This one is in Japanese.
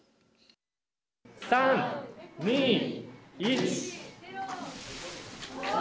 ３、２、１。